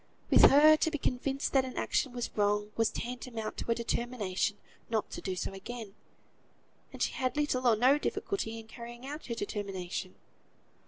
With her, to be convinced that an action was wrong, was tantamount to a determination not to do so again; and she had little or no difficulty in carrying out her determination.